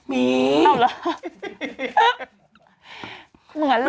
มีเหมือนหรอ